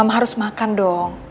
mama harus makan dong